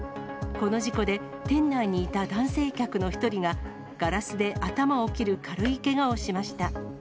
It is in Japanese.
この事故で、店内にいた男性客の１人が、ガラスで頭を切る軽いけがをしました。